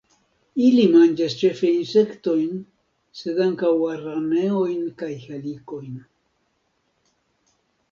Ili manĝas ĉefe insektojn, sed ankaŭ araneojn kaj helikojn.